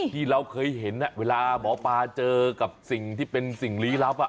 ที่เราเคยเห็นเวลาหมอปลาเจอกับสิ่งที่เป็นสิ่งลี้ลับ